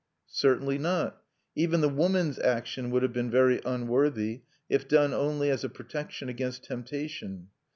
"Certainly not! Even the woman's action would have been very unworthy if done only as a protection against temptation.